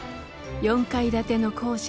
４階建ての校舎